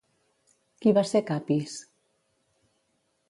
Qui va ser Capis?